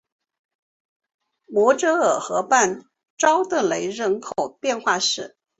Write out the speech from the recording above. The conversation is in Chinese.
摩泽尔河畔绍德内人口变化图示